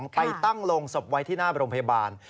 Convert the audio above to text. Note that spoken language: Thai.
ไปตั้งโรงศพไว้ที่หน้าโรงพยาบาล